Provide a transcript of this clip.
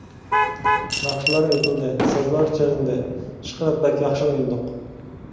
ناخشىلار ئېيتىلدى، سازلار چېلىندى. ئىشقىلىپ بەك ياخشى ئوينىدۇق.